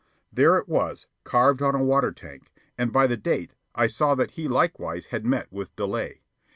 There it was, carved on a water tank, and by the date I saw that he likewise had met with delay.